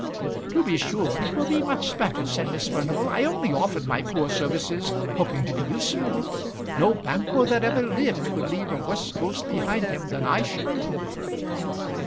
"To be sure; it will be much better," said Miss Furnival. "I only offered my poor services hoping to be useful. No Banquo that ever lived could leave a worse ghost behind him than I should prove."